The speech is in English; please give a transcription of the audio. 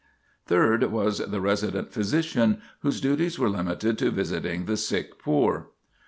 Third, was the Resident Physician, whose duties were limited to visiting the sick poor.